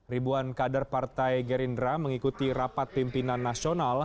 ribuan kader partai gerindra mengikuti rapat pimpinan nasional